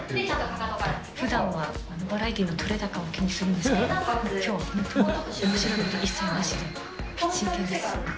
ふだんはバラエティの撮れ高を気にするんですけど、きょう、本当におもしろいこと一切なしで真剣です。